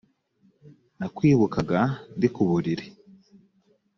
nakwibukaga ndi ku buriri